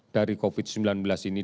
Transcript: dari covid sembilan belas ini